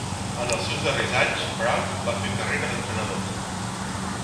En els seus darrers anys, Brown va fer carrera d'entrenador.